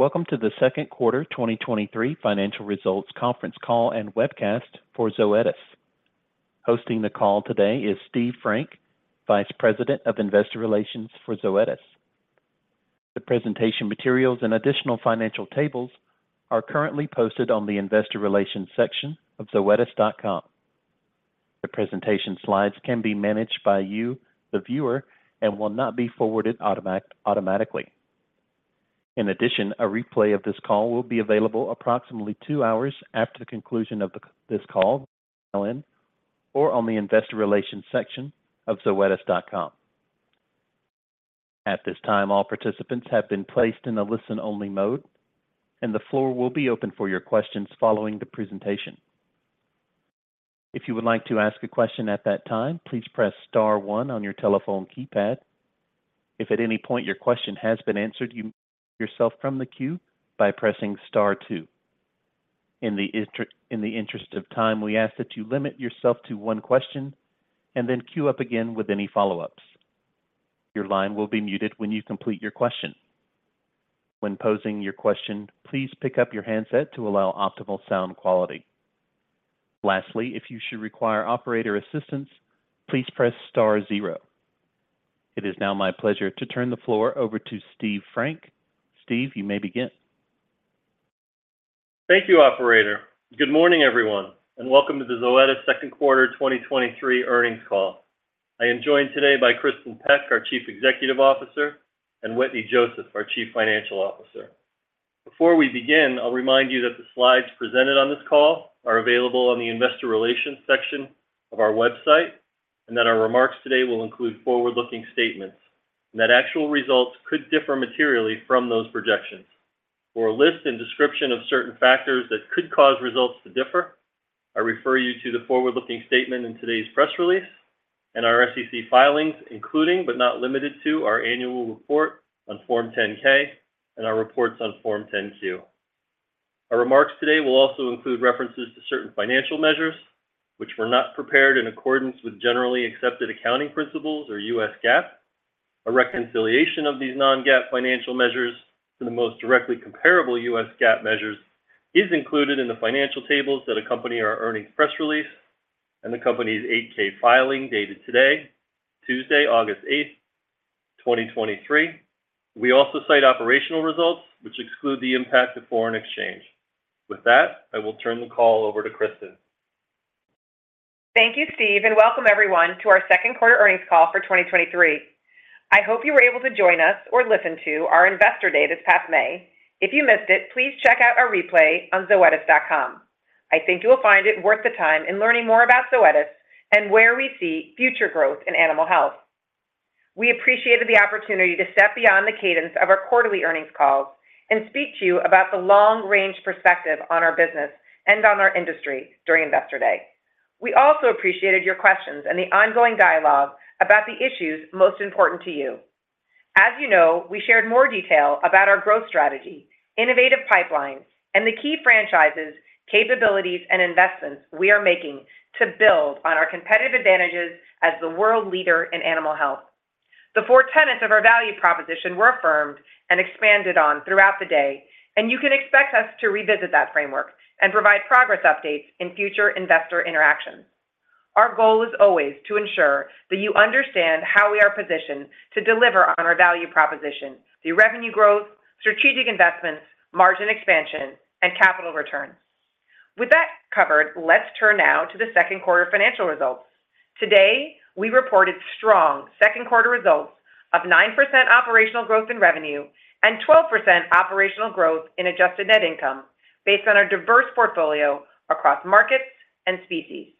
Welcome to the second quarter 2023 financial results conference call and webcast for Zoetis. Hosting the call today is Steve Frank, Vice President of Investor Relations for Zoetis. The presentation materials and additional financial tables are currently posted on the Investor Relations section of zoetis.com. The presentation slides can be managed by you, the viewer, and will not be forwarded automatically. In addition, a replay of this call will be available approximately two hours after the conclusion of this call, call in, or on the Investor Relations section of zoetis.com. At this time, all participants have been placed in a listen-only mode, and the floor will be open for your questions following the presentation. If you would like to ask a question at that time, please press star 1 on your telephone keypad. If at any point your question has been answered, you yourself from the queue by pressing star two. In the interest of time, we ask that you limit yourself to one question and then queue up again with any follow-ups. Your line will be muted when you complete your question. When posing your question, please pick up your handset to allow optimal sound quality. Lastly, if you should require operator assistance, please press star zero. It is now my pleasure to turn the floor over to Steve Frank. Steve, you may begin. Thank you, operator. Good morning, everyone, and welcome to the Zoetis second quarter 2023 earnings call. I am joined today by Kristin Peck, our Chief Executive Officer, and Wetteny Joseph, our Chief Financial Officer. Before we begin, I'll remind you that the slides presented on this call are available on the Investor Relations section of our website, and that our remarks today will include forward-looking statements, and that actual results could differ materially from those projections. For a list and description of certain factors that could cause results to differ, I refer you to the forward-looking statement in today's press release and our SEC filings, including, but not limited to, our annual report on Form 10-K and our reports on Form 10-Q. Our remarks today will also include references to certain financial measures which were not prepared in accordance with generally accepted accounting principles or U.S. GAAP. A reconciliation of these non-GAAP financial measures to the most directly comparable U.S. GAAP measures is included in the financial tables that accompany our earnings press release and the company's Form 8-K filing, dated today, Tuesday, August 8, 2023. We also cite operational results, which exclude the impact of foreign exchange. With that, I will turn the call over to Kristin. Thank you, Steve, and welcome everyone to our second quarter earnings call for 2023. I hope you were able to join us or listen to our Investor Day this past May. If you missed it, please check out our replay on zoetis.com. I think you will find it worth the time in learning more about Zoetis and where we see future growth in animal health. We appreciated the opportunity to step beyond the cadence of our quarterly earnings calls and speak to you about the long-range perspective on our business and on our industry during Investor Day. We also appreciated your questions and the ongoing dialogue about the issues most important to you. As you know, we shared more detail about our growth strategy, innovative pipelines, and the key franchises, capabilities, and investments we are making to build on our competitive advantages as the world leader in animal health. The four tenets of our value proposition were affirmed and expanded on throughout the day, and you can expect us to revisit that framework and provide progress updates in future investor interactions. Our goal is always to ensure that you understand how we are positioned to deliver on our value proposition, the revenue growth, strategic investments, margin expansion, and capital returns. With that covered, let's turn now to the second quarter financial results. Today, we reported strong second-quarter results of 9% operational growth in revenue and 12% operational growth in adjusted net income based on our diverse portfolio across markets and species.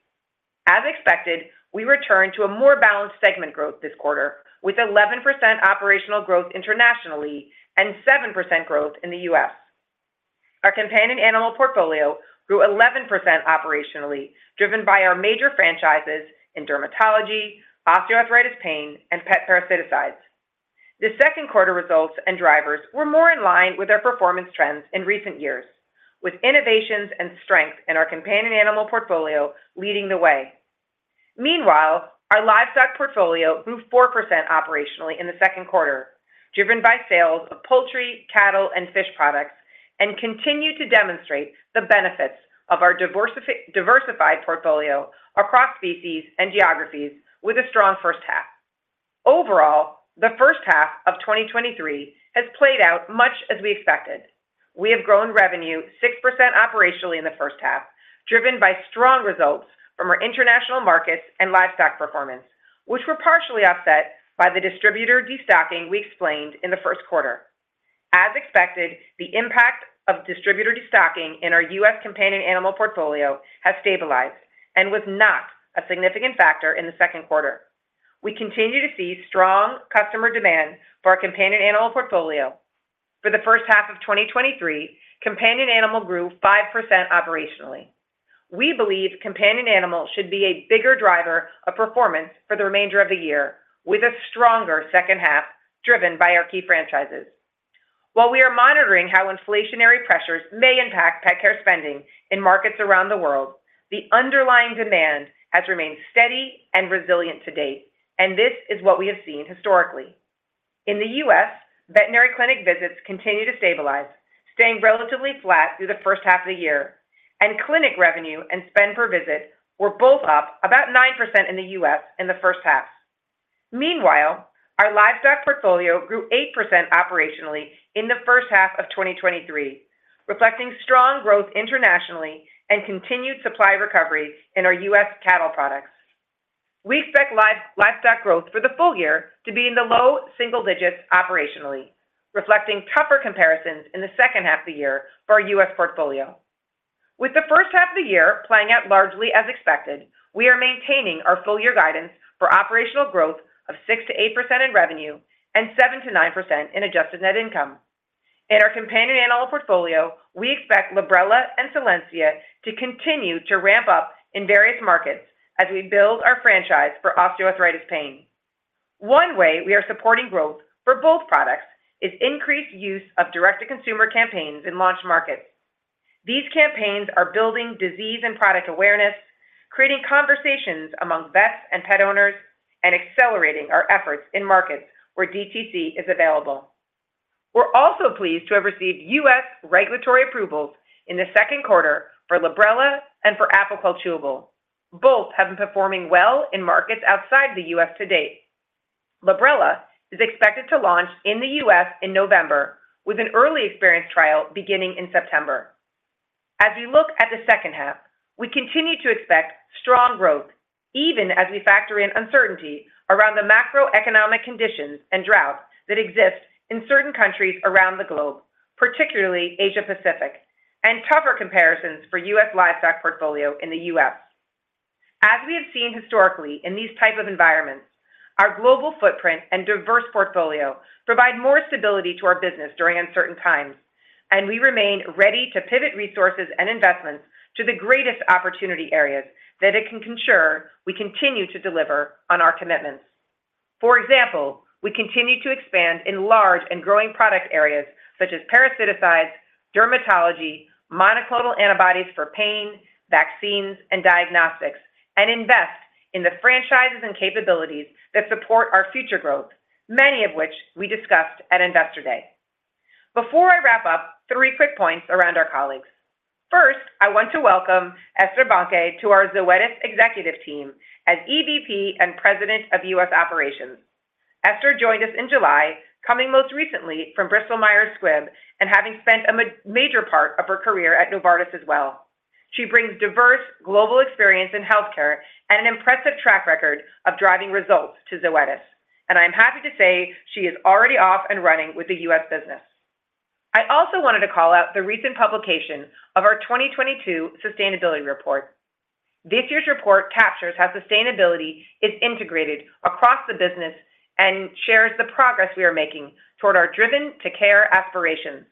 As expected, we returned to a more balanced segment growth this quarter with 11% operational growth internationally and 7% growth in the U.S. Our companion animal portfolio grew 11% operationally, driven by our major franchises in Dermatology, osteoarthritis pain, and pet parasiticides. The second quarter results and drivers were more in line with our performance trends in recent years, with innovations and strength in our companion animal portfolio leading the way. Meanwhile, our livestock portfolio grew 4% operationally in the second quarter, driven by sales of poultry, cattle, and fish products, and continued to demonstrate the benefits of our diversified portfolio across species and geographies with a strong first half. Overall, the first half of 2023 has played out much as we expected. We have grown revenue 6% operationally in the first half, driven by strong results from our international markets and livestock performance, which were partially offset by the distributor destocking we explained in the first quarter. As expected, the impact of distributor destocking in our U.S. companion animal portfolio has stabilized and was not a significant factor in the second quarter. We continue to see strong customer demand for our companion animal portfolio. For the first half of 2023, companion animal grew 5% operationally. We believe companion animal should be a bigger driver of performance for the remainder of the year, with a stronger second half driven by our key franchises. While we are monitoring how inflationary pressures may impact pet care spending in markets around the world. The underlying demand has remained steady and resilient to date, and this is what we have seen historically. In the U.S., veterinary clinic visits continue to stabilize, staying relatively flat through the first half of the year, and clinic revenue and spend per visit were both up about 9% in the U.S. in the first half. Meanwhile, our livestock portfolio grew 8% operationally in the first half of 2023, reflecting strong growth internationally and continued supply recovery in our U.S. cattle products. We expect livestock growth for the full-year to be in the low single digits operationally, reflecting tougher comparisons in the second half of the year for our U.S. portfolio. With the first half of the year playing out largely as expected, we are maintaining our full-year guidance for operational growth of 6%-8% in revenue and 7%-9% in adjusted net income. In our companion animal portfolio, we expect Librela and Solensia to continue to ramp up in various markets as we build our franchise for osteoarthritis pain. One way we are supporting growth for both products is increased use of direct-to-consumer campaigns in launch markets. These campaigns are building disease and product awareness, creating conversations among vets and pet owners, and accelerating our efforts in markets where DTC is available. We're also pleased to have received U.S. regulatory approvals in the second quarter for Librela and for Apoquel Chewable. Both have been performing well in markets outside the U.S. to date. Librela is expected to launch in the U.S. in November, with an early experience trial beginning in September. As we look at the second half, we continue to expect strong growth, even as we factor in uncertainty around the macroeconomic conditions and droughts that exist in certain countries around the globe, particularly Asia Pacific, and tougher comparisons for U.S. livestock portfolio in the U.S. As we have seen historically in these type of environments, our global footprint and diverse portfolio provide more stability to our business during uncertain times, we remain ready to pivot resources and investments to the greatest opportunity areas that it can ensure we continue to deliver on our commitments. For example, we continue to expand in large and growing product areas such as parasiticides, dermatology, monoclonal antibodies for pain, vaccines, and diagnostics, and invest in the franchises and capabilities that support our future growth, many of which we discussed at Investor Day. Before I wrap up, three quick points around our colleagues. First, I want to welcome Ester Banque to our Zoetis executive team as EVP and President of U.S. Operations. Esther joined us in July, coming most recently from Bristol Myers Squibb, and having spent a major part of her career at Novartis as well. She brings diverse global experience in healthcare and an impressive track record of driving results to Zoetis, and I'm happy to say she is already off and running with the U.S. business. I also wanted to call out the recent publication of our 2022 sustainability report. This year's report captures how sustainability is integrated across the business and shares the progress we are making toward our Driven to Care aspirations.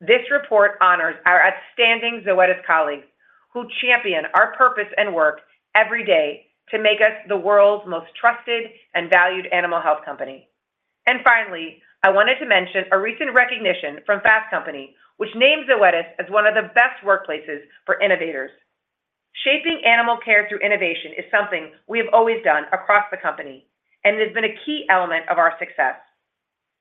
This report honors our outstanding Zoetis colleagues, who champion our purpose and work every day to make us the world's most trusted and valued animal health company. Finally, I wanted to mention a recent recognition from Fast Company, which named Zoetis as one of the best workplaces for innovators. Shaping animal care through innovation is something we have always done across the company, and it has been a key element of our success.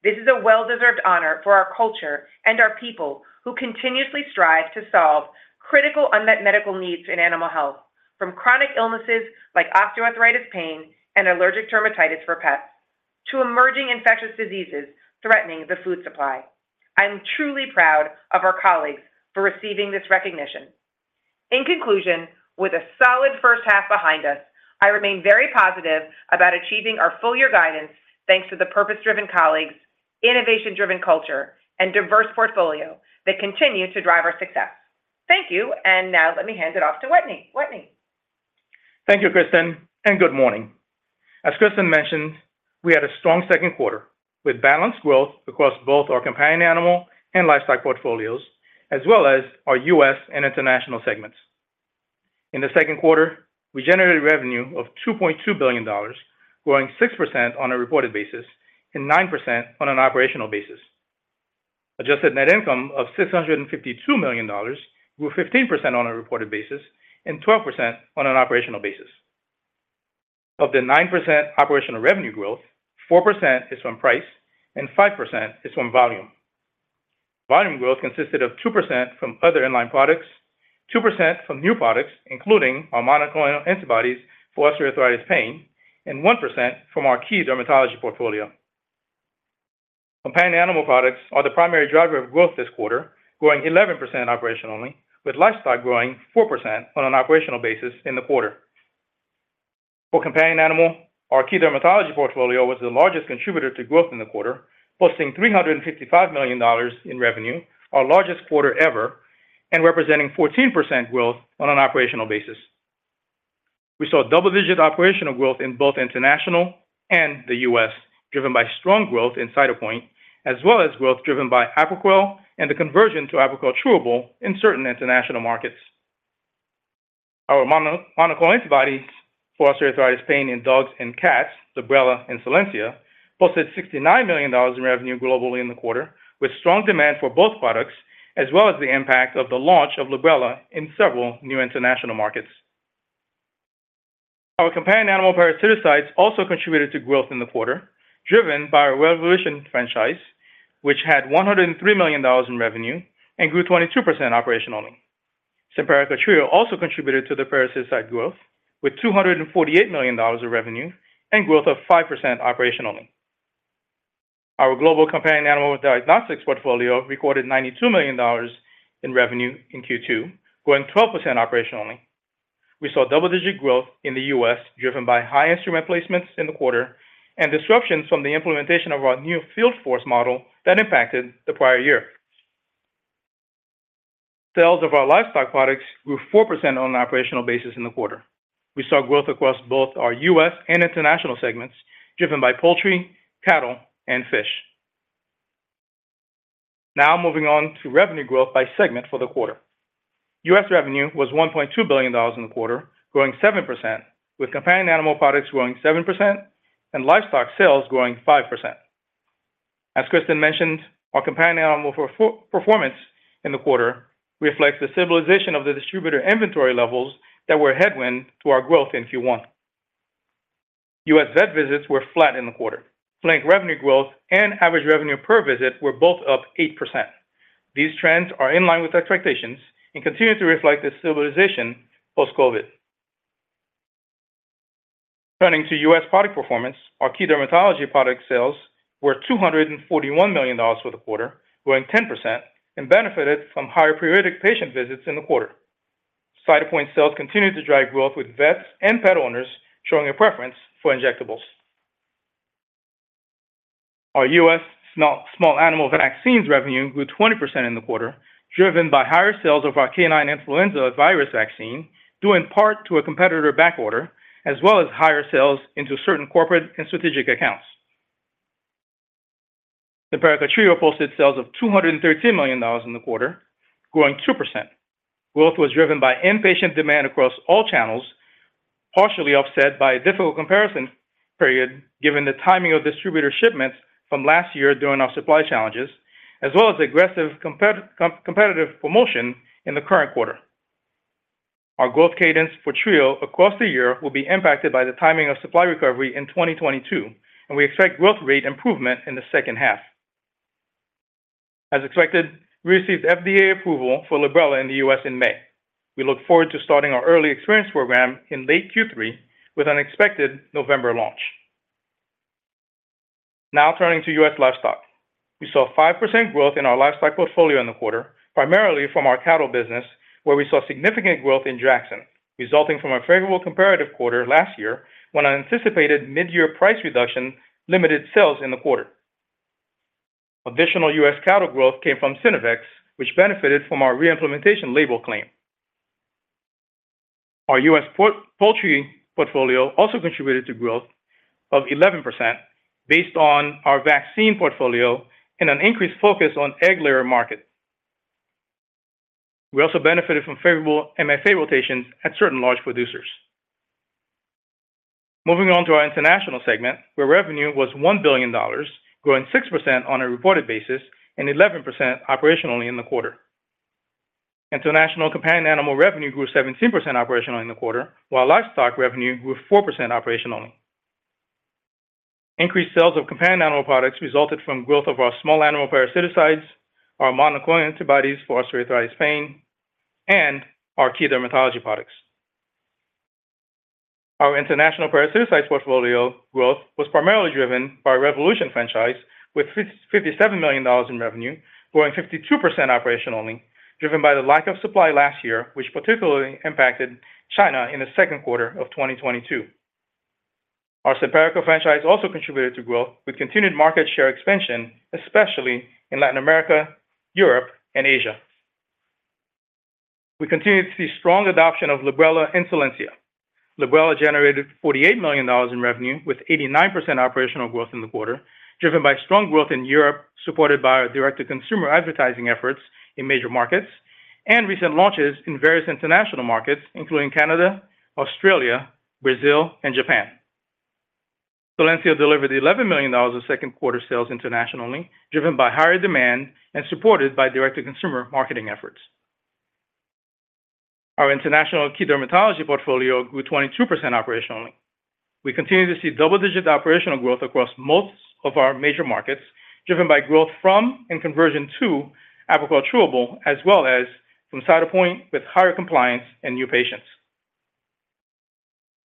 This is a well-deserved honor for our culture and our people, who continuously strive to solve critical unmet medical needs in animal health, from chronic illnesses like osteoarthritis pain and allergic dermatitis for pets, to emerging infectious diseases threatening the food supply. I'm truly proud of our colleagues for receiving this recognition. In conclusion, with a solid first half behind us, I remain very positive about achieving our full-year guidance thanks to the purpose-driven colleagues, innovation-driven culture, and diverse portfolio that continue to drive our success. Thank you, now let me hand it off to Wetteny. Wetteny? Thank you, Kristin. Good morning. As Kristin mentioned, we had a strong second quarter with balanced growth across both our companion animal and livestock portfolios, as well as our U.S. and international segments. In the second quarter, we generated revenue of $2.2 billion, growing 6% on a reported basis and 9% on an operational basis. Adjusted net income of $652 million, grew 15% on a reported basis and 12% on an operational basis. Of the 9% operational revenue growth, 4% is from price and 5% is from volume. Volume growth consisted of 2% from other in-line products, 2% from new products, including our monoclonal antibodies for osteoarthritis pain, and 1% from our key Dermatology portfolio. Companion animal products are the primary driver of growth this quarter, growing 11% operationally, with livestock growing 4% on an operational basis in the quarter. For companion animal, our key Dermatology portfolio was the largest contributor to growth in the quarter, posting $355 million in revenue, our largest quarter ever, and representing 14% growth on an operational basis. We saw double-digit operational growth in both international and the U.S., driven by strong growth in Cytopoint, as well as growth driven by Apoquel and the conversion to Apoquel Chewable in certain international markets. Our monoclonal antibodies for osteoarthritis pain in dogs and cats, Librela and Solensia, posted $69 million in revenue globally in the quarter, with strong demand for both products, as well as the impact of the launch of Librela in several new international markets. Our companion animal parasiticides also contributed to growth in the quarter, driven by our Revolution franchise, which had $103 million in revenue and grew 22% operationally. Simparica Trio also contributed to the parasiticide growth, with $248 million of revenue and growth of 5% operationally. Our global companion animal diagnostics portfolio recorded $92 million in revenue in Q2, growing 12% operationally. We saw double-digit growth in the U.S., driven by high instrument placements in the quarter and disruptions from the implementation of our new field force model that impacted the prior year. Sales of our livestock products grew 4% on an operational basis in the quarter. We saw growth across both our U.S. and international segments, driven by poultry, cattle, and fish. Moving on to revenue growth by segment for the quarter. U.S. revenue was $1.2 billion in the quarter, growing 7%, with companion animal products growing 7% and livestock sales growing 5%. As Kristin mentioned, our companion animal performance in the quarter reflects the stabilization of the distributor inventory levels that were a headwind to our growth in Q1. U.S. vet visits were flat in the quarter. clinic revenue growth and average revenue per visit were both up 8%. These trends are in line with expectations and continue to reflect the stabilization post-COVID. Turning to U.S. product performance, our key Dermatology product sales were $241 million for the quarter, growing 10% and benefited from higher periodic patient visits in the quarter. Cytopoint sales continued to drive growth with vets and pet owners showing a preference for injectables. Our U.S. small animal vaccines revenue grew 20% in the quarter, driven by higher sales of our canine influenza virus vaccine, due in part to a competitor backorder, as well as higher sales into certain corporate and strategic accounts. The Simparica Trio posted sales of $213 million in the quarter, growing 2%. Growth was driven by in-patient demand across all channels, partially offset by a difficult comparison period, given the timing of distributor shipments from last year during our supply challenges, as well as aggressive competitive promotion in the current quarter. Our growth cadence for Trio across the year will be impacted by the timing of supply recovery in 2022, and we expect growth rate improvement in the second half. As expected, we received FDA approval for Librela in the U.S. in May. We look forward to starting our early experience program in late Q3 with an expected November launch. Now turning to U.S. livestock. We saw 5% growth in our livestock portfolio in the quarter, primarily from our cattle business, where we saw significant growth in Draxxin, resulting from a favorable comparative quarter last year, when an anticipated mid-year price reduction limited sales in the quarter. Additional U.S. cattle growth came from Synovex, which benefited from our reimplementation label claim. Our U.S. poultry portfolio also contributed to growth of 11% based on our vaccine portfolio and an increased focus on egg layer market. We also benefited from favorable MFA rotations at certain large producers. Moving on to our international segment, where revenue was $1 billion, growing 6% on a reported basis and 11% operationally in the quarter. International companion animal revenue grew 17% operationally in the quarter, while livestock revenue grew 4% operationally. Increased sales of companion animal products resulted from growth of our small animal parasiticides, our monoclonal antibodies for osteoarthritis pain, and our key dermatology products. Our international parasiticides portfolio growth was primarily driven by our Revolution franchise, with $57 million in revenue, growing 52% operationally, driven by the lack of supply last year, which particularly impacted China in the 2Q of 2022. Our Simparica franchise also contributed to growth with continued market share expansion, especially in Latin America, Europe, and Asia. We continue to see strong adoption of Librela and Solensia. Librela generated $48 million in revenue with 89% operational growth in the quarter, driven by strong growth in Europe, supported by our direct-to-consumer advertising efforts in major markets and recent launches in various international markets, including Canada, Australia, Brazil, and Japan. Solensia delivered $11 million of second quarter sales internationally, driven by higher demand and supported by direct-to-consumer marketing efforts. Our international key Dermatology portfolio grew 22% operationally. We continue to see double-digit operational growth across most of our major markets, driven by growth from and conversion to Apoquel Chewable, as well as from Cytopoint with higher compliance and new patients.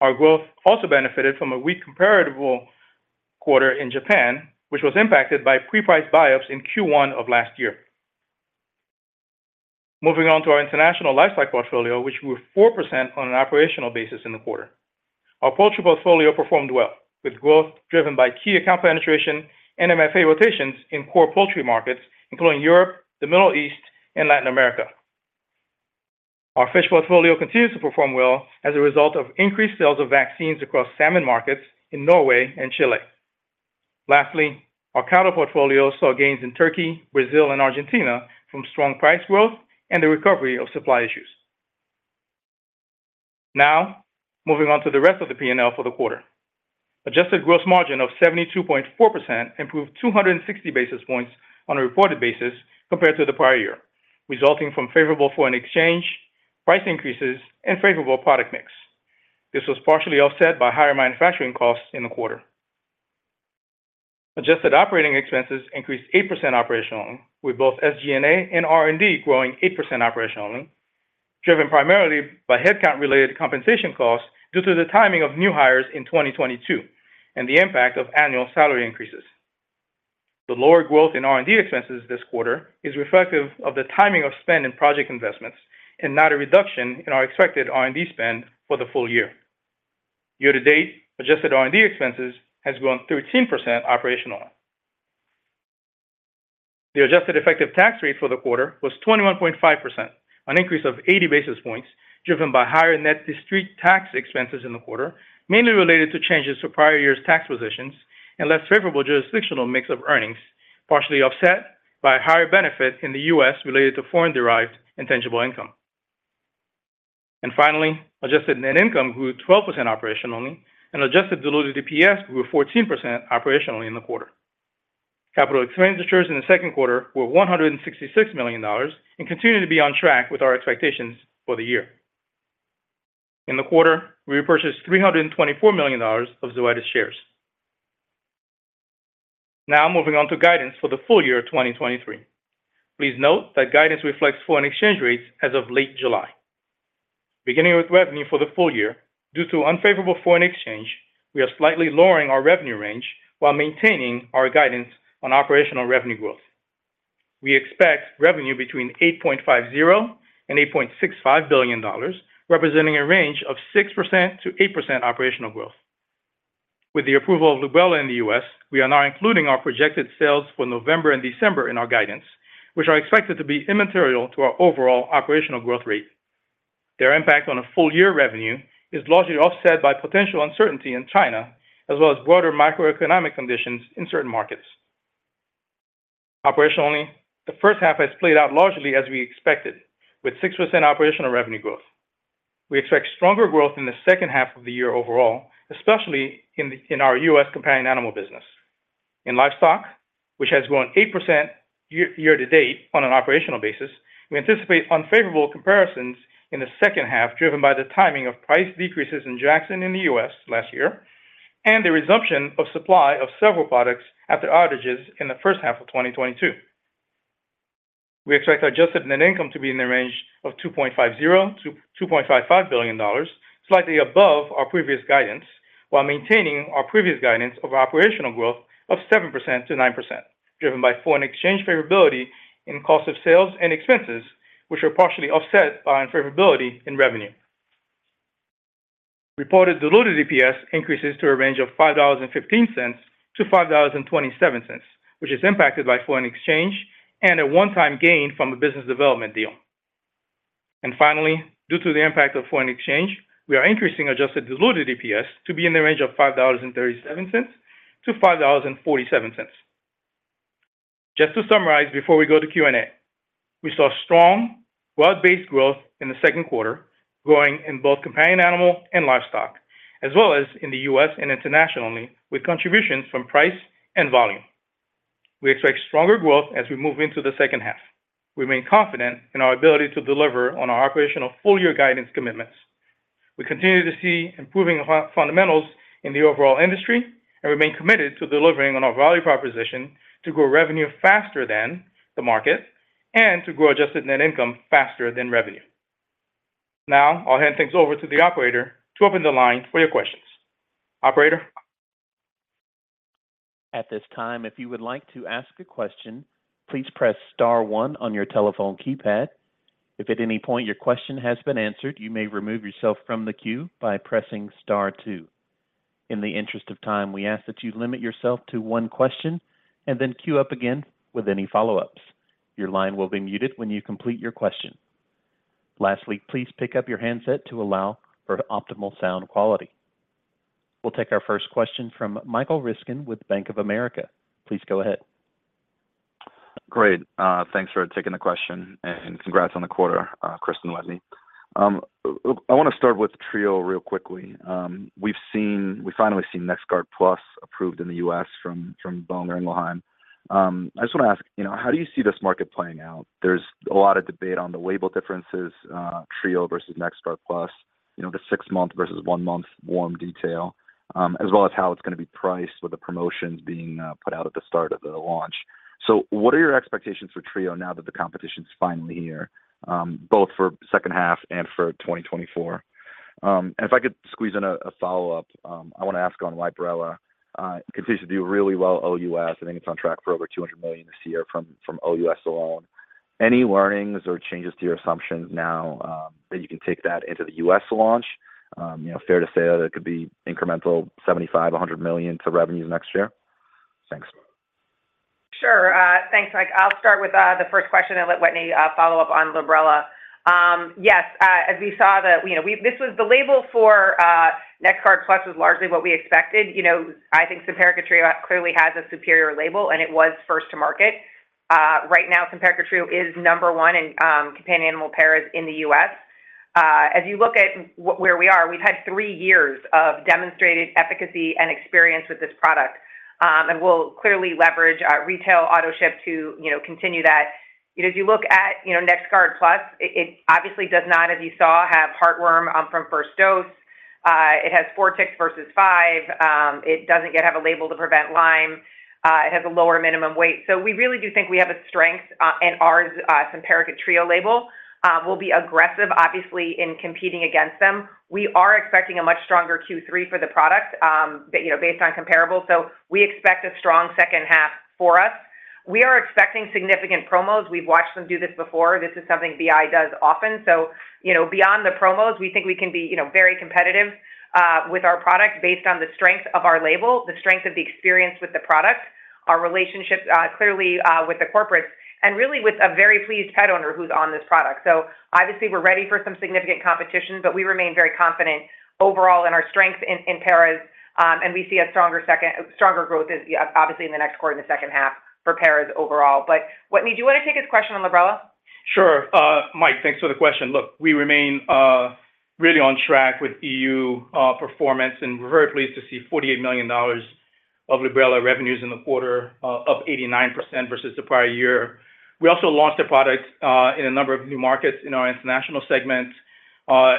Our growth also benefited from a weak comparable quarter in Japan, which was impacted by pre-priced buy-ups in Q1 of last year. Moving on to our international lifestyle portfolio, which grew 4% on an operational basis in the quarter. Our poultry portfolio performed well, with growth driven by key account penetration and MFA rotations in core poultry markets, including Europe, the Middle East, and Latin America. Our fish portfolio continues to perform well as a result of increased sales of vaccines across salmon markets in Norway and Chile. Lastly, our cattle portfolio saw gains in Turkey, Brazil, and Argentina from strong price growth and the recovery of supply issues. Now, moving on to the rest of the P&L for the quarter. Adjusted gross margin of 72.4% improved 260 basis points on a reported basis compared to the prior year, resulting from favorable foreign exchange, price increases, and favorable product mix. This was partially offset by higher manufacturing costs in the quarter. Adjusted operating expenses increased 8% operationally, with both SG&A and R&D growing 8% operationally, driven primarily by headcount-related compensation costs due to the timing of new hires in 2022 and the impact of annual salary increases. The lower growth in R&D expenses this quarter is reflective of the timing of spend and project investments, and not a reduction in our expected R&D spend for the full-year. Year to date, adjusted R&D expenses has grown 13% operationally. The adjusted effective tax rate for the quarter was 21.5%, an increase of 80 basis points, driven by higher net discrete tax expenses in the quarter, mainly related to changes to prior year's tax positions and less favorable jurisdictional mix of earnings, partially offset by higher benefits in the U.S. related to Foreign-Derived Intangible Income. Finally, adjusted net income grew 12% operationally, and adjusted diluted EPS grew 14% operationally in the quarter. Capital expenditures in the second quarter were $166 million and continue to be on track with our expectations for the year. In the quarter, we repurchased $324 million of Zoetis shares. Moving on to guidance for the full-year of 2023. Please note that guidance reflects foreign exchange rates as of late July. With revenue for the full-year, due to unfavorable foreign exchange, we are slightly lowering our revenue range while maintaining our guidance on operational revenue growth. We expect revenue between $8.50 billion and $8.65 billion, representing a range of 6%-8% operational growth. With the approval of Librela in the U.S., we are now including our projected sales for November and December in our guidance, which are expected to be immaterial to our overall operational growth rate. Their impact on a full-year revenue is largely offset by potential uncertainty in China, as well as broader macroeconomic conditions in certain markets. Operationally, the first half has played out largely as we expected, with 6% operational revenue growth. We expect stronger growth in the second half of the year overall, especially in our U.S. companion animal business. In livestock, which has grown 8% year-to-date on an operational basis, we anticipate unfavorable comparisons in the second half, driven by the timing of price decreases in Draxxin in the U.S. last year, and the resumption of supply of several products after outages in the first half of 2022. We expect our adjusted net income to be in the range of $2.50 billion-$2.55 billion, slightly above our previous guidance, while maintaining our previous guidance of operational growth of 7%-9%, driven by foreign exchange favorability in cost of sales and expenses, which are partially offset by unfavorability in revenue. Reported diluted EPS increases to a range of $5.15-$5.27, which is impacted by foreign exchange and a one-time gain from the business development deal. Finally, due to the impact of foreign exchange, we are increasing adjusted diluted EPS to be in the range of $5.37-$5.47. Just to summarize, before we go to Q&A, we saw strong broad-based growth in the second quarter, growing in both companion animal and livestock, as well as in the U.S. and internationally, with contributions from price and volume. We expect stronger growth as we move into the second half. We remain confident in our ability to deliver on our operational full-year guidance commitments. We continue to see improving fundamentals in the overall industry, and remain committed to delivering on our value proposition to grow revenue faster than the market and to grow adjusted net income faster than revenue. Now, I'll hand things over to the operator to open the line for your questions. Operator? At this time, if you would like to ask a question, please press star 1 on your telephone keypad. If at any point your question has been answered, you may remove yourself from the queue by pressing star 2. In the interest of time, we ask that you limit yourself to one question and then queue up again with any follow-ups. Your line will be muted when you complete your question. Lastly, please pick up your handset to allow for optimal sound quality. We'll take our first question from Michael Ryskin with Bank of America. Please go ahead. Great. Thanks for taking the question, and congrats on the quarter, Kristin and Wetteny. I want to start with Trio real quickly. We finally seen NexGard PLUS approved in the U.S. from Boehringer Ingelheim. I just want to ask, you know, how do you see this market playing out? There's a lot of debate on the label differences, Trio versus NexGard PLUS, you know, the six-month versus one-month worm detail, as well as how it's going to be priced with the promotions being put out at the start of the launch. What are your expectations for Trio now that the competition is finally here, both for second half and for 2024? If I could squeeze in a follow-up, I want to ask on Librela. It continues to do really well, OUS. I think it's on track for over $200 million this year from OUS alone. Any learnings or changes to your assumptions now that you can take that into the U.S. launch? Fair to say that it could be incremental $75 million-$100 million to revenues next year? Thanks. Sure, thanks, Mike. I'll start with the first question and let Wetteny follow up on Librela. Yes, as we saw you know, this was the label for NexGard PLUS was largely what we expected. You know, I think Simparica Trio clearly has a superior label, and it was first to market. Right now, Simparica Trio is number one in companion animal Paras in the U.S. As you look at where we are, we've had three years of demonstrated efficacy and experience with this product, and we'll clearly leverage our retail auto-ship to, you know, continue that. You know, as you look at, you know, NexGard PLUS, it, it obviously does not, as you saw, have heartworm from first dose. It has four ticks versus five. It doesn't yet have a label to prevent Lyme. It has a lower minimum weight. We really do think we have a strength in ours, Simparica Trio label. We'll be aggressive, obviously, in competing against them. We are expecting a much stronger Q3 for the product, but, you know, based on comparable. We expect a strong second half for us. We are expecting significant promos. We've watched them do this before. This is something BI does often. You know, beyond the promos, we think we can be, you know, very competitive with our product based on the strength of our label, the strength of the experience with the product, our relationships, clearly with the corporates, and really with a very pleased pet owner who's on this product. Obviously, we're ready for some significant competition, but we remain very confident overall in our strength in, in Paras, and we see a stronger stronger growth, as, obviously in the next quarter, in the second half for Paras overall. Wetteny, do you want to take his question on Librela? Sure. Mike, thanks for the question. Look, we remain really on track with EU performance, and we're very pleased to see $48 million of Librela revenues in the quarter, up 89% versus the prior year. We also launched a product in a number of new markets in our international segment,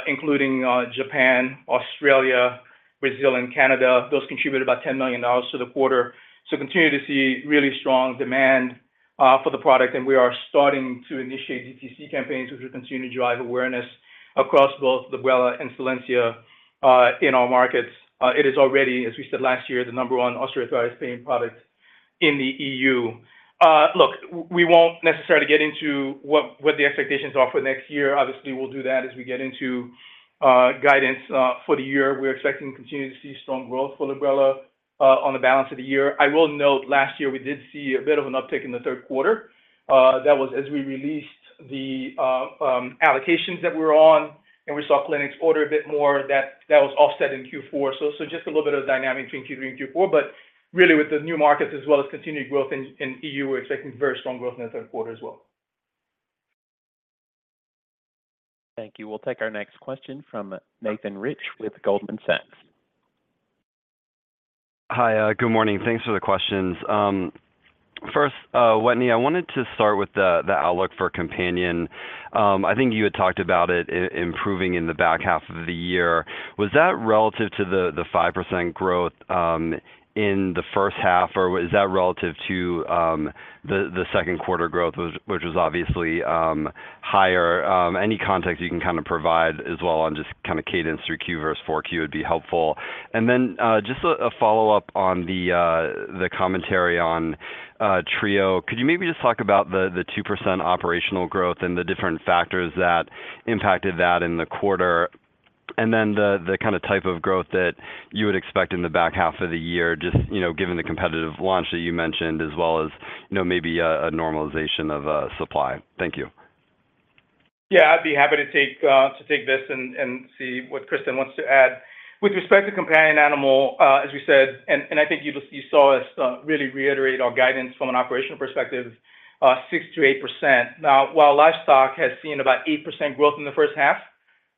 including Japan, Australia, Brazil, and Canada. Those contributed about $10 million to the quarter. So continue to see really strong demand for the product, and we are starting to initiate DTC campaigns, which will continue to drive awareness across both Librela and Solensia in our markets. It is already, as we said last year, the number one authorized pain product in the EU. Look, we won't necessarily get into what, what the expectations are for next year. Obviously, we'll do that as we get into guidance for the year. We're expecting to continue to see strong growth for Librela on the balance of the year. I will note last year, we did see a bit of an uptick in the third quarter, that was as we released the allocations that we were on, and we saw clinics order a bit more, that, that was offset in Q4. Just a little bit of dynamic between Q3 and Q4, but really, with the new markets as well as continued growth in EU, we're expecting very strong growth in the third quarter as well. Thank you. We'll take our next question from Nathan Rich with Goldman Sachs. Hi, good morning. Thanks for the questions. First, Wetteny, I wanted to start with the, the outlook for companion. I think you had talked about it improving in the back half of the year. Was that relative to the, the 5% growth in the first half, or was that relative to the, the second quarter growth, which, which was obviously, higher? Any context you can kinda provide as well on just kinda cadence through Q versus 4Q would be helpful. Then, just a, a follow-up on the, the commentary on Trio. Could you maybe just talk about the, the 2% operational growth and the different factors that impacted that in the quarter, and then the, the kinda type of growth that you would expect in the back half of the year, just, you know, given the competitive launch that you mentioned, as well as, you know, maybe a, a normalization of supply? Thank you. Yeah, I'd be happy to take to take this and, and see what Kristin wants to add. With respect to companion animal, as we said, and, and I think you just-- you saw us really reiterate our guidance from an operational perspective, 6%-8%. While livestock has seen about 8% growth in the first half,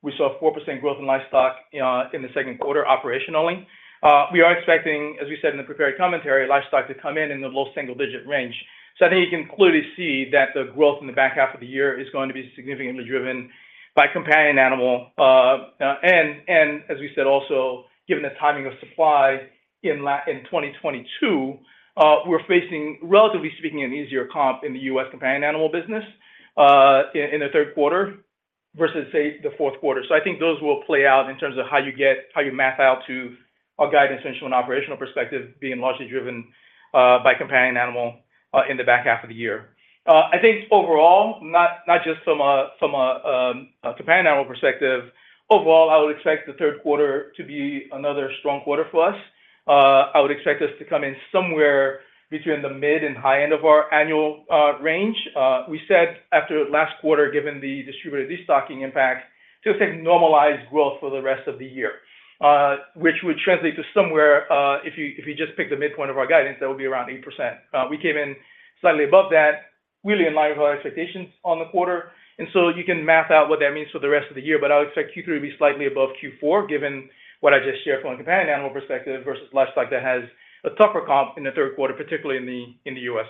we saw 4% growth in livestock in the second quarter operationally. We are expecting, as we said in the prepared commentary, livestock to come in, in the low single-digit range. I think you can clearly see that the growth in the back half of the year is going to be significantly driven by companion animal. As we said, also, given the timing of supply in 2022, we're facing, relatively speaking, an easier comp in the U.S. companion animal business, in the third quarter versus, say, the fourth quarter. I think those will play out in terms of how you map out to our guidance from an operational perspective, being largely driven by companion animal in the back half of the year. I think overall, not just from a, from a companion animal perspective, overall, I would expect the third quarter to be another strong quarter for us. I would expect us to come in somewhere between the mid and high end of our annual range. We said after last quarter, given the distributor destocking impact, to expect normalized growth for the rest of the year, which would translate to somewhere, if you, if you just pick the midpoint of our guidance, that would be around 8%. We came in slightly above that, really in line with our expectations on the quarter, and so you can map out what that means for the rest of the year. I would expect Q3 to be slightly above Q4, given what I just shared from a companion animal perspective, versus livestock that has a tougher comp in the third quarter, particularly in the U.S.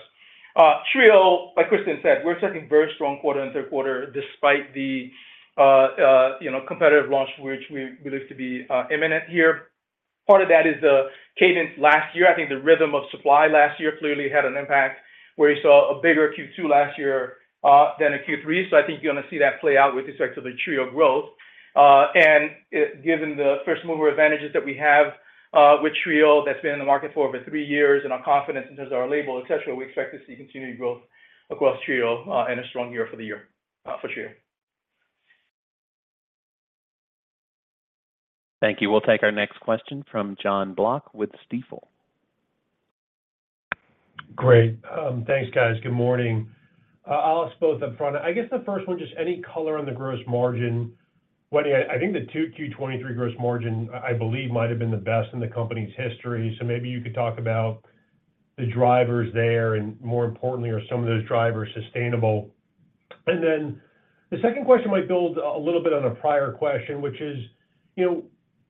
Trio, like Kristin said, we're expecting very strong quarter in the third quarter, despite the, you know, competitive launch, which we, we look to be imminent here. Part of that is cadence. Last year, I think the rhythm of supply last year clearly had an impact, where you saw a bigger Q2 last year, than a Q3. I think you're gonna see that play out with respect to the Trio growth. Given the first-mover advantages that we have, with Trio, that's been in the market for over three years, and our confidence in terms of our label, et cetera, we expect to see continued growth across Trio, and a strong year for the year, for Trio. Thank you. We'll take our next question from John Block with Stifel. Great. Thanks, guys. Good morning. I'll ask both up front. I guess, the first one, just any color on the gross margin? Wetteny, I think the 2Q 2023 gross margin, I believe, might have been the best in the company's history. Maybe you could talk about the drivers there, and more importantly, are some of those drivers sustainable? The second question might build a little bit on a prior question, which is, you know,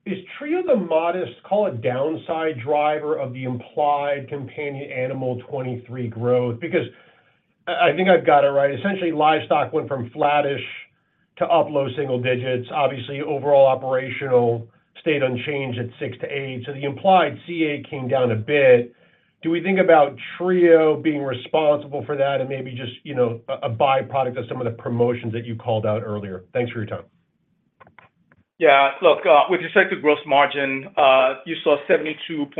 is Simparica Trio the modest, call it, downside driver of the implied companion animal 2023 growth? I, I think I've got it right. Essentially, livestock went from flattish to up low single digits. Obviously, overall operational stayed unchanged at 6%-8%, so the implied CA came down a bit. Do we think about Trio being responsible for that and maybe just, you know, a byproduct of some of the promotions that you called out earlier? Thanks for your time. Yeah, look, with respect to gross margin, you saw 72.4%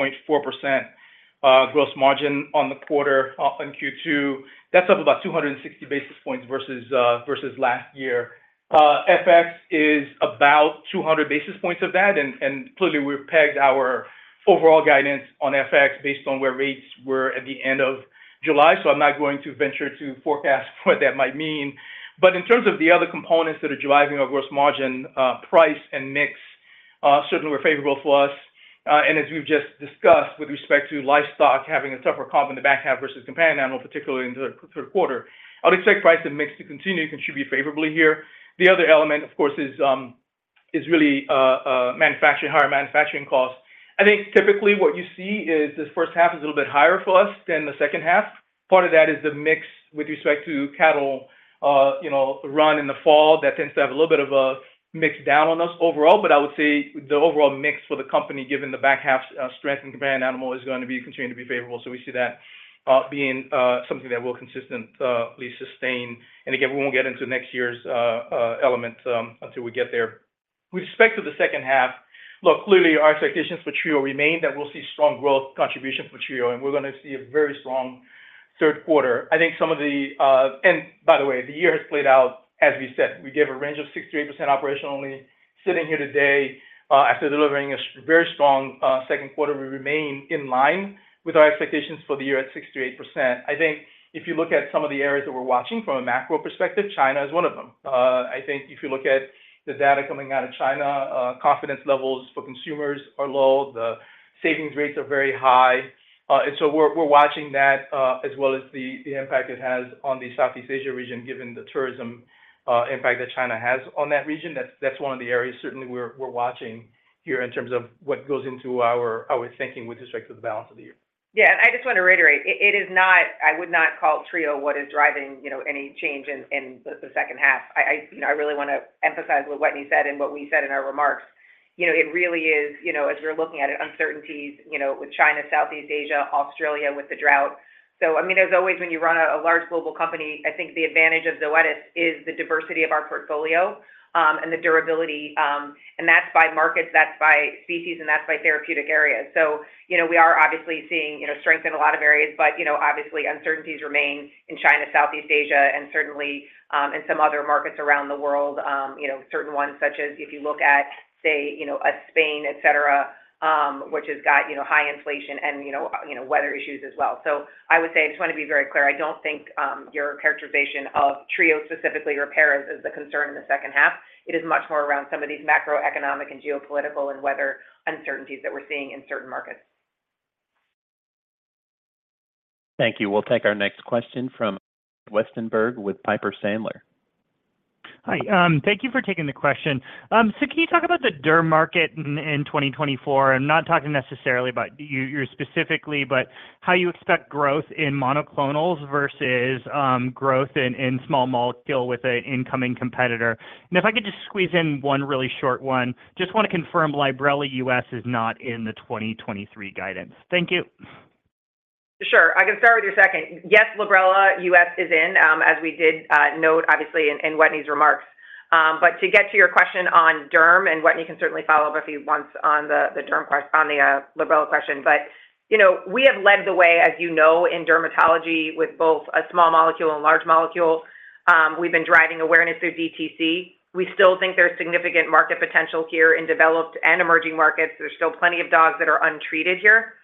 gross margin on the quarter on Q2. That's up about 260 basis points versus versus last year. FX is about 200 basis points of that, and, clearly, we've pegged our overall guidance on FX based on where rates were at the end of July, so I'm not going to venture to forecast what that might mean. In terms of the other components that are driving our gross margin, price and mix certainly were favorable for us. As we've just discussed with respect to livestock, having a tougher comp in the back half versus companion animal, particularly into the third quarter, I would expect price and mix to continue to contribute favorably here. The other element, of course, is really manufacturing, higher manufacturing costs. I think typically what you see is this first half is a little bit higher for us than the second half. Part of that is the mix with respect to cattle, you know, run in the fall. That tends to have a little bit of a mix down on us overall, but I would say the overall mix for the company, given the back half's strength and companion animal, is going to be continuing to be favorable. We see that being something that will consistently sustain. Again, we won't get into next year's element until we get there. With respect to the second half, look, clearly, our expectations for Trio remain that we'll see strong growth contribution for Trio, and we're going to see a very strong third quarter. I think some of the... By the way, the year has played out as we said. We gave a range of 6%-8% operationally. Sitting here today, after delivering a very strong, second quarter, we remain in line with our expectations for the year at 6%-8%. I think if you look at some of the areas that we're watching from a macro perspective, China is one of them. I think if you look at the data coming out of China, confidence levels for consumers are low, the savings rates are very high. So we're, we're watching that, as well as the, the impact it has on the Southeast Asia region, given the tourism, impact that China has on that region. That's, that's one of the areas certainly we're, we're watching here in terms of what goes into our, our thinking with respect to the balance of the year. Yeah, I just want to reiterate, it, it is not, I would not call Trio what is driving, you know, any change in, in the, the second half. I, I, you know, I really want to emphasize what Wetteny said and what we said in our remarks. You know, it really is, you know, as we're looking at it, uncertainties, you know, with China, Southeast Asia, Australia, with the drought. I mean, as always, when you run a, a large global company, I think the advantage of Zoetis is the diversity of our portfolio, and the durability, and that's by markets, that's by species, and that's by therapeutic areas. You know, we are obviously seeing, you know, strength in a lot of areas, but, you know, obviously uncertainties remain in China, Southeast Asia, and certainly, in some other markets around the world. You know, certain ones such as if you look at, say, you know, a Spain, et cetera, which has got, you know, high inflation and, you know, you know, weather issues as well. I would say, I just want to be very clear, I don't think, your characterization of Trio specifically, or parasites is the concern in the second half. It is much more around some of these macroeconomic and geopolitical and weather uncertainties that we're seeing in certain markets. Thank you. We'll take our next question from Westenberg with Piper Sandler. Hi, thank you for taking the question. Can you talk about the derm market in 2024? I'm not talking necessarily about you specifically, but how you expect growth in monoclonals versus growth in small molecule with an incoming competitor. If I could just squeeze in 1 really short one, just want to confirm Librela U.S. is not in the 2023 guidance. Thank you. Sure. I can start with your second. Yes, Librela U.S. is in, as we did note obviously in Wetteny's remarks. To get to your question on derm, and Wetteny, you can certainly follow up if he wants on the, the derm on the Librela question. You know, we have led the way, as you know, in dermatology with both a small molecule and large molecule. We've been driving awareness through DTC. We still think there's significant market potential here in developed and emerging markets. There's still plenty of dogs that are untreated here.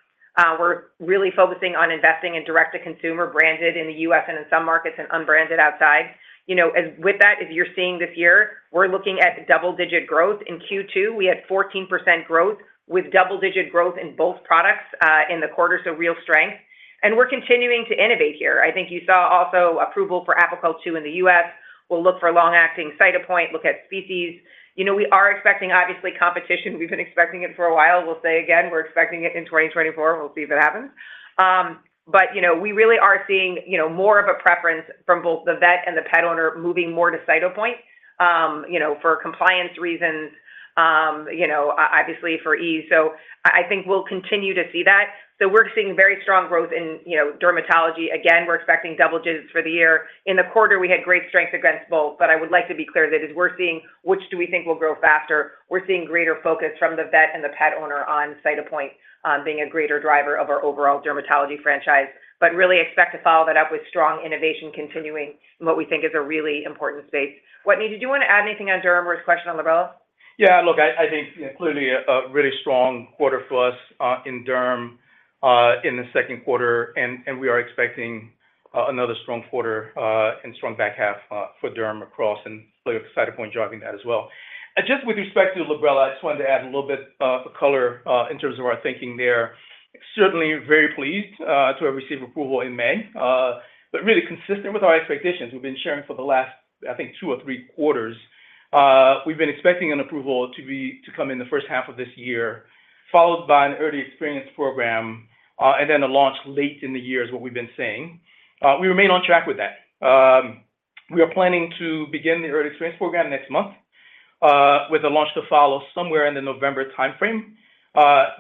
We're really focusing on investing in direct-to-consumer branded in the U.S. and in some markets and unbranded outside. You know, with that, as you're seeing this year, we're looking at double-digit growth. In Q2, we had 14% growth with double-digit growth in both products, in the quarter, so real strength. We're continuing to innovate here. I think you saw also approval for Apoquel Chewable in the U.S. We'll look for long-acting Cytopoint, look at species. You know, we are expecting, obviously, competition. We've been expecting it for a while. We'll say again, we're expecting it in 2024. We'll see if it happens. You know, we really are seeing, you know, more of a preference from both the vet and the pet owner moving more to Cytopoint, you know, for compliance reasons, you know, obviously for ease. I, I think we'll continue to see that. We're seeing very strong growth in, you know, Dermatology. Again, we're expecting double digits for the year. In the quarter, we had great strength against both, but I would like to be clear that as we're seeing, which do we think will grow faster, we're seeing greater focus from the vet and the pet owner on Cytopoint, being a greater driver of our overall dermatology franchise. Really expect to follow that up with strong innovation continuing in what we think is a really important space. Wetteny, did you want to add anything on derm or his question on Librela? Yeah, look, I, I think clearly a really strong quarter for us in Derm in the second quarter, and we are expecting another strong quarter and strong back half for Dermatology across, and Cytopoint driving that as well. Just with respect to Librela, I just wanted to add a little bit of color in terms of our thinking there. Certainly very pleased to have received approval in May, but really consistent with our expectations. We've been sharing for the last, I think, two or three quarters, we've been expecting an approval to come in the first half of this year, followed by an early experience program, and then a launch late in the year, is what we've been saying. We remain on track with that. We are planning to begin the early experience program next month, with the launch to follow somewhere in the November timeframe.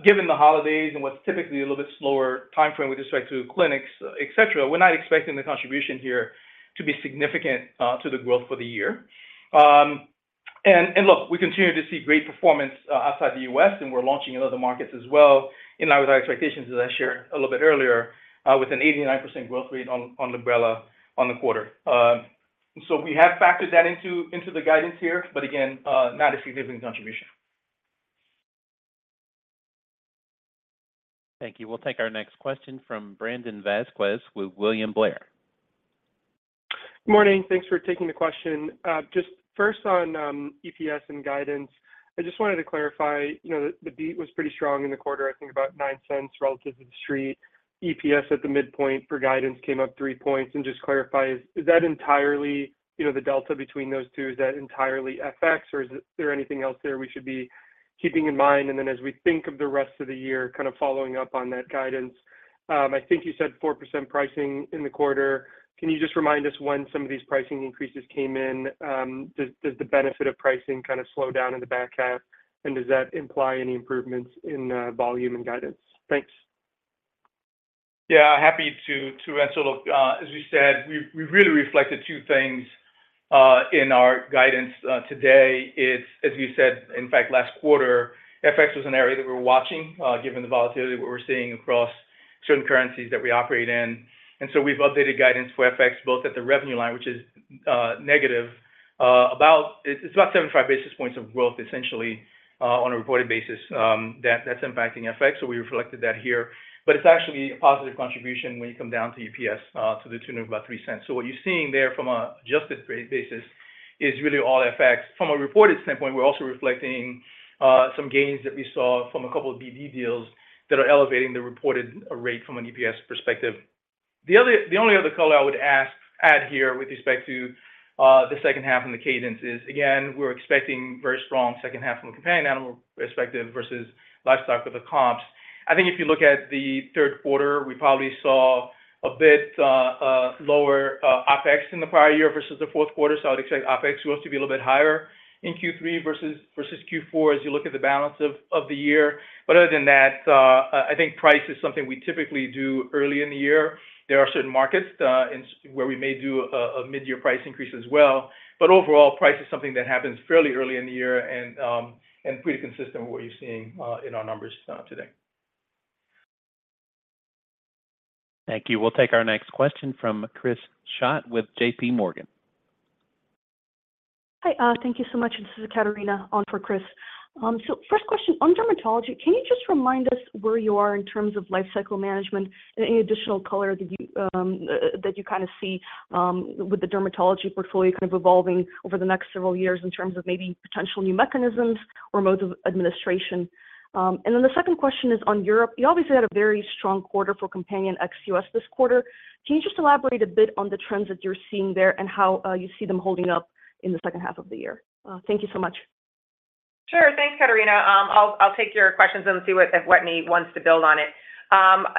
Given the holidays and what's typically a little bit slower timeframe with respect to clinics, et cetera, we're not expecting the contribution here to be significant to the growth for the year. Look, we continue to see great performance outside the U.S., and we're launching in other markets as well. In line with our expectations, as I shared a little bit earlier, with an 89% growth rate on Librela on the quarter. We have factored that into the guidance here, but again, not a significant contribution. Thank you. We'll take our next question from Brandon Vazquez with William Blair. Good morning. Thanks for taking the question. Just first on EPS and guidance, I just wanted to clarify, you know, the beat was pretty strong in the quarter, I think about $0.09 relative to the street. EPS at the midpoint for guidance came up 3 points. Just clarify, is that entirely, you know, the delta between those two, is that entirely FX, or is there anything else there we should be keeping in mind? Then, as we think of the rest of the year, kind of following up on that guidance, I think you said 4% pricing in the quarter. Can you just remind us when some of these pricing increases came in? Does, does the benefit of pricing kind of slow down in the back half, and does that imply any improvements in volume and guidance? Thanks. Yeah, happy to, to answer. Look, as we said, we, we really reflected two things in our guidance today. As we said, in fact, last quarter, FX was an area that we're watching, given the volatility that we're seeing across certain currencies that we operate in. We've updated guidance for FX, both at the revenue line, which is negative, about... It's about 75 basis points of growth, essentially, on a reported basis, that's impacting FX. We reflected that here. It's actually a positive contribution when you come down to EPS, to the tune of about $0.03. What you're seeing there from an adjusted basis is really all FX. From a reported standpoint, we're also reflecting some gains that we saw from two BD deals that are elevating the reported rate from an EPS perspective. The only other color I would add here with respect to the second half and the cadence is, again, we're expecting very strong second half from a companion animal perspective versus livestock with the comps. I think if you look at the third quarter, we probably saw a bit lower Opex in the prior year versus the fourth quarter. I would expect Opex to be a little bit higher in Q3 versus Q4, as you look at the balance of the year. Other than that, I think price is something we typically do early in the year. There are certain markets where we may do a mid-year price increase as well. Overall, price is something that happens fairly early in the year and pretty consistent with what you're seeing in our numbers today. Thank you. We'll take our next question from Chris Schott with JPMorgan. Hi, thank you so much. This is Ekaterina on for Chris. 1st question, on Dermatology, can you just remind us where you are in terms of life cycle management and any additional color that you that you kind of see with the Dermatology portfolio kind of evolving over the next several years in terms of maybe potential new mechanisms or modes of administration? The 2nd question is on Europe. You obviously had a very strong quarter for companion ex-U.S. this quarter. Can you just elaborate a bit on the trends that you're seeing there and how you see them holding up in the 2nd half of the year? Thank you so much. Sure. Thanks, Katarina. I'll, I'll take your questions and see what, if Wetteny wants to build on it.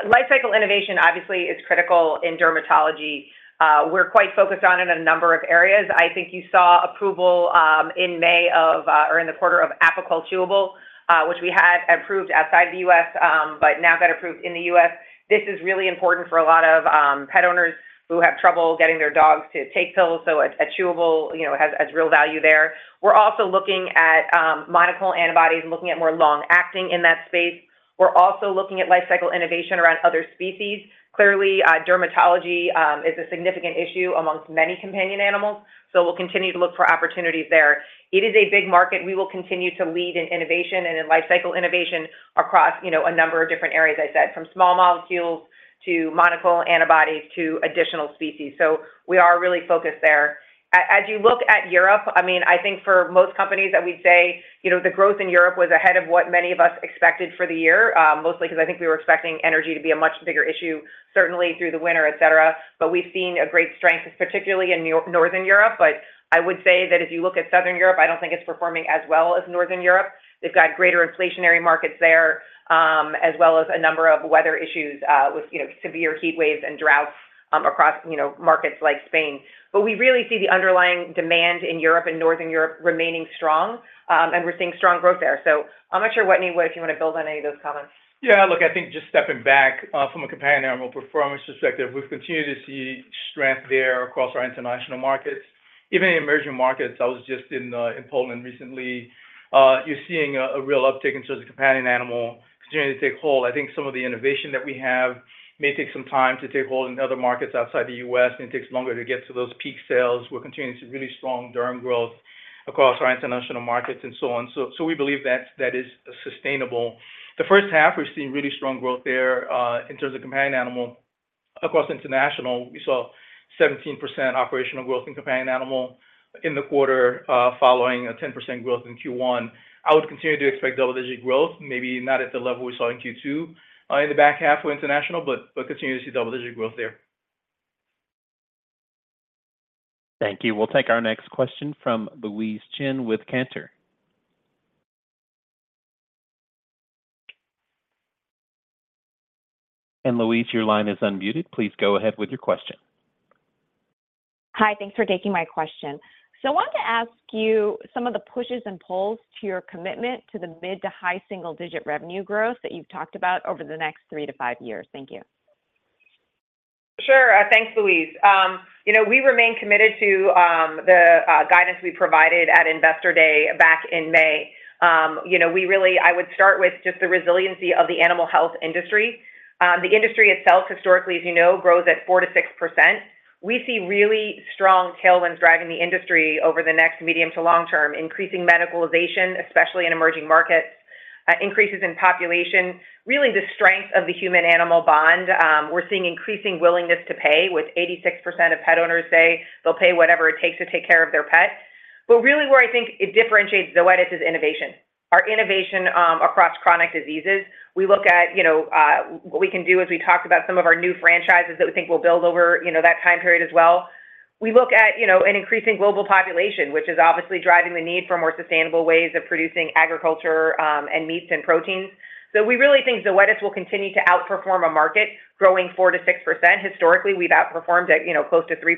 Life cycle innovation, obviously, is critical in dermatology. We're quite focused on it in a number of areas. I think you saw approval in May of, or in the quarter of Apoquel Chewable, which we had approved outside the U.S., but now got approved in the U.S. This is really important for a lot of pet owners who have trouble getting their dogs to take pills, so a, a chewable, you know, has, has real value there. We're also looking at monoclonal antibodies and looking at more long-acting in that space. We're also looking at life cycle innovation around other species. Clearly, dermatology is a significant issue amongst many companion animals, so we'll continue to look for opportunities there. It is a big market. We will continue to lead in innovation and in life cycle innovation across, you know, a number of different areas, I said, from small molecules, to monoclonal antibodies, to additional species. We are really focused there. As you look at Europe, I mean, I think for most companies, I would say, you know, the growth in Europe was ahead of what many of us expected for the year, mostly because I think we were expecting energy to be a much bigger issue, certainly through the winter, et cetera. We've seen a great strength, particularly in Northern Europe. I would say that if you look at Southern Europe, I don't think it's performing as well as Northern Europe. They've got greater inflationary markets there, as well as a number of weather issues, with, you know, severe heat waves and droughts, across, you know, markets like Spain. We really see the underlying demand in Europe and Northern Europe remaining strong, and we're seeing strong growth there. So I'm not sure, Wetteny, if you want to build on any of those comments. I think just stepping back, from a companion animal performance perspective, we've continued to see strength there across our international markets, even in emerging markets. I was just in Poland recently. You're seeing a, a real uptick in terms of companion animal continuing to take hold. I think some of the innovation may take some time to take hold in other markets outside the U.S., and it takes longer to get to those peak sales. We're continuing to see really strong derm growth across our international markets and so on. We believe that that is sustainable. The first half, we've seen really strong growth there, in terms of companion animal. Across international, we saw 17% operational growth in companion animal in the quarter, following a 10% growth in Q1. I would continue to expect double-digit growth, maybe not at the level we saw in Q2, in the back half with international, but, but continue to see double-digit growth there. Thank you. We'll take our next question from Louise Chen with Cantor Fitzgerald. Louise, your line is unmuted. Please go ahead with your question. Hi, thanks for taking my question. I wanted to ask you some of the pushes and pulls to your commitment to the mid to high single digit revenue growth that you've talked about over the next three to five years. Thank you. Sure. Thanks, Louise. You know, we remain committed to the guidance we provided at Investor Day back in May. You know, I would start with just the resiliency of the animal health industry. The industry itself, historically, as you know, grows at 4%-6%. We see really strong tailwinds driving the industry over the next medium to long term, increasing medicalization, especially in emerging markets, increases in population, really the strength of the human-animal bond. We're seeing increasing willingness to pay, with 86% of pet owners say they'll pay whatever it takes to take care of their pet. But really, where I think it differentiates Zoetis is innovation. Our innovation, across chronic diseases, we look at, you know, what we can do as we talk about some of our new franchises that we think will build over, you know, that time period as well. We look at, you know, an increasing global population, which is obviously driving the need for more sustainable ways of producing agriculture, and meats and proteins. We really think Zoetis will continue to outperform a market growing 4%-6%. Historically, we've outperformed at, you know, close to 3%.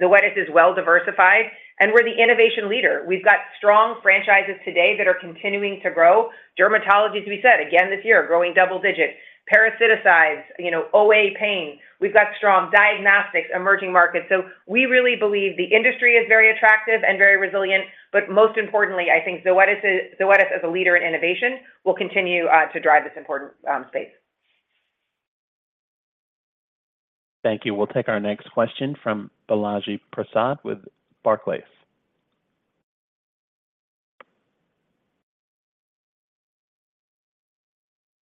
Zoetis is well-diversified, and we're the innovation leader. We've got strong franchises today that are continuing to grow. Dermatology, as we said, again this year, are growing double digits. Parasiticides, you know, OA pain, we've got strong diagnostics, emerging markets. We really believe the industry is very attractive and very resilient, but most importantly, I think Zoetis is, Zoetis as a leader in innovation, will continue to drive this important space. Thank you. We'll take our next question from Balaji Prasad with Barclays.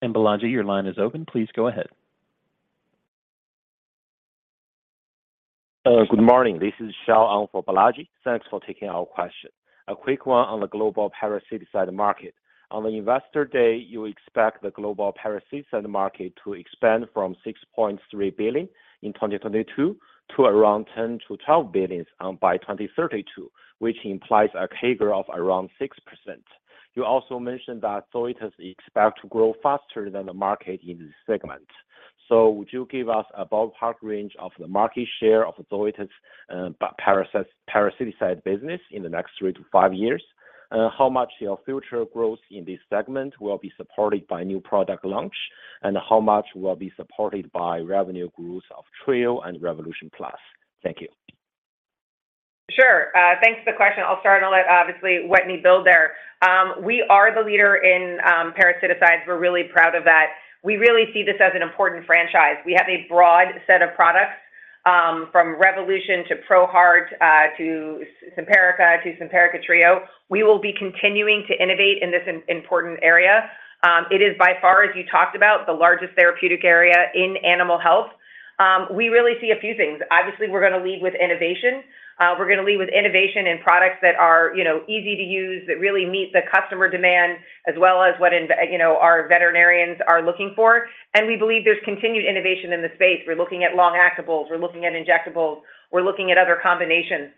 Balaji, your line is open. Please go ahead. Good morning. This is Xiao on for Balaji. Thanks for taking our question. A quick one on the global parasiticide market. On the Investor Day, you expect the global parasiticide market to expand from $6.3 billion in 2022 to around $10 billion-$12 billion by 2032, which implies a CAGR of around 6%. You also mentioned that Zoetis is expected to grow faster than the market in this segment. Would you give us a ballpark range of the market share of Zoetis' parasiticide business in the next three to five years? How much your future growth in this segment will be supported by new product launch, and how much will be supported by revenue growth of Trio and Revolution Plus? Thank you. Sure. Thanks for the question. I'll start, and I'll let, obviously, Wetteny build there. We are the leader in parasiticides. We're really proud of that. We really see this as an important franchise. We have a broad set of products, from Revolution to ProHeart, to Simparica, to Simparica Trio. We will be continuing to innovate in this important area. It is by far, as you talked about, the largest therapeutic area in animal health. We really see a few things. Obviously, we're gonna lead with innovation. We're gonna lead with innovation in products that are, you know, easy to use, that really meet the customer demand, as well as what in veterinarians, you know, are looking for. We believe there's continued innovation in the space. We're looking at long-actables, we're looking at injectables, we're looking at other combinations.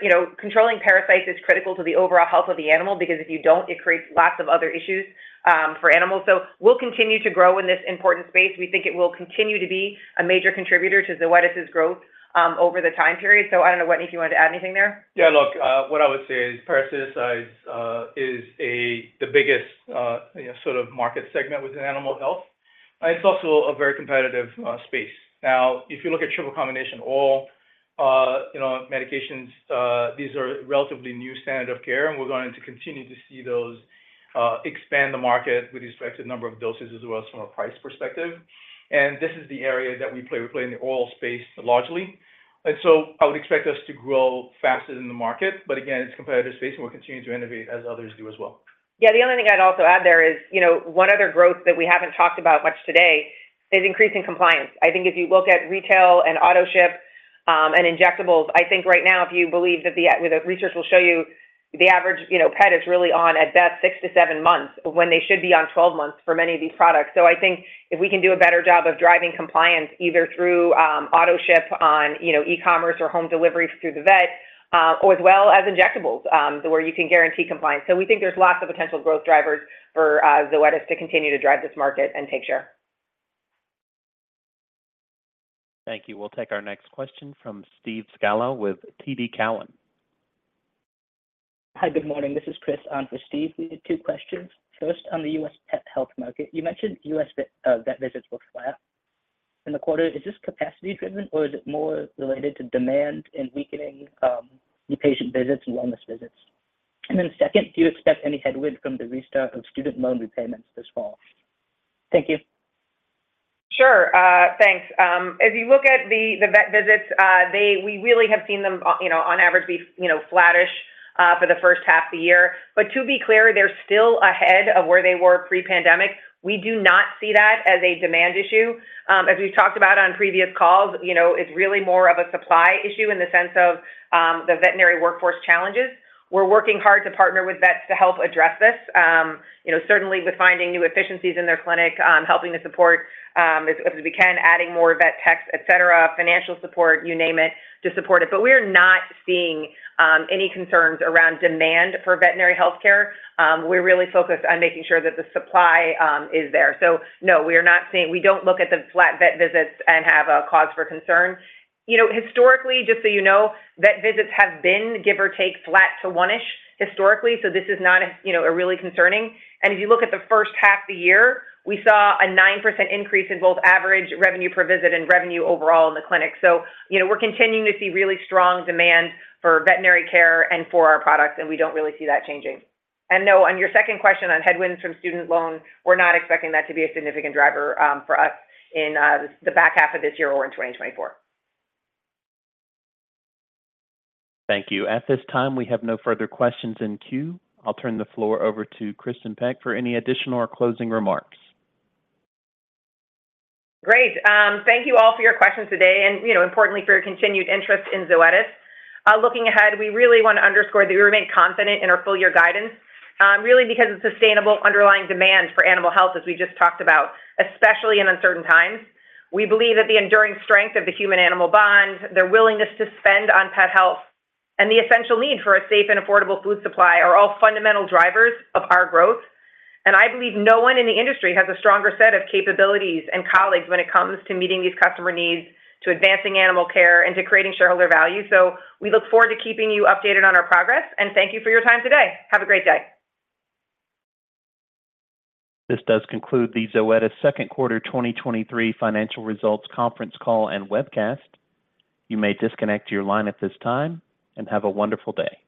you know, controlling parasites is critical to the overall health of the animal, because if you don't, it creates lots of other issues for animals. We'll continue to grow in this important space. We think it will continue to be a major contributor to Zoetis' growth over the time period. I don't know, Wetteny, if you wanted to add anything there? Yeah, look, what I would say is parasiticides is a, the biggest, you know, sort of market segment within animal health. It's also a very competitive space. If you look at triple combination oral, you know, medications, these are a relatively new standard of care, and we're going to continue to see those expand the market with respect to number of doses as well as from a price perspective. This is the area that we play. We play in the oral space largely. I would expect us to grow faster than the market. Again, it's a competitive space, and we're continuing to innovate as others do as well. Yeah, the only thing I'd also add there is, you know, one other growth that we haven't talked about much today is increasing compliance. I think if you look at retail and autoship, and injectables, I think right now, if you believe that the research will show you the average, you know, pet is really on, at best, six-seven months, when they should be on 12 months for many of these products. I think if we can do a better job of driving compliance, either through autoship on, you know, e-commerce or home delivery through the vet, or as well as injectables, where you can guarantee compliance. We think there's lots of potential growth drivers for Zoetis to continue to drive this market and take share. Thank you. We'll take our next question from Steve Scala with TD Cowen. Hi, good morning. This is Chris on for Steve. We have 2 questions. First, on the U.S. pet health market, you mentioned U.S. vet visits were flat in the quarter. Is this capacity-driven, or is it more related to demand and weakening new patient visits and wellness visits? Then second, do you expect any headwinds from the restart of student loan repayments this fall? Thank you. Sure. Thanks. As you look at the, the vet visits, we really have seen them, you know, on average, be, you know, flattish for the first half of the year. To be clear, they're still ahead of where they were pre-pandemic. We do not see that as a demand issue. As we've talked about on previous calls, you know, it's really more of a supply issue in the sense of the veterinary workforce challenges. We're working hard to partner with vets to help address this. You know, certainly with finding new efficiencies in their clinic, helping to support, as, as we can, adding more vet techs, et cetera, financial support, you name it, to support it. We are not seeing any concerns around demand for veterinary health care. We're really focused on making sure that the supply is there. No, we are not seeing... We don't look at the flat vet visits and have a cause for concern. You know, historically, just so you know, vet visits have been, give or take, flat to 1-ish, historically, so this is not, you know, really concerning. If you look at the first half of the year, we saw a 9% increase in both average revenue per visit and revenue overall in the clinic. You know, we're continuing to see really strong demand for veterinary care and for our products, and we don't really see that changing. No, on your second question on headwinds from student loans, we're not expecting that to be a significant driver for us in the back half of this year or in 2024. Thank you. At this time, we have no further questions in queue. I'll turn the floor over to Kristin Peck for any additional or closing remarks. Great. Thank you all for your questions today and, you know, importantly, for your continued interest in Zoetis. Looking ahead, we really want to underscore that we remain confident in our full-year guidance, really because of sustainable underlying demand for animal health, as we just talked about, especially in uncertain times. We believe that the enduring strength of the human-animal bond, their willingness to spend on pet health, and the essential need for a safe and affordable food supply are all fundamental drivers of our growth. I believe no one in the industry has a stronger set of capabilities and colleagues when it comes to meeting these customer needs, to advancing animal care, and to creating shareholder value. We look forward to keeping you updated on our progress, and thank you for your time today. Have a great day. This does conclude the Zoetis second quarter financial results conference call and webcast. You may disconnect your line at this time, and have a wonderful day.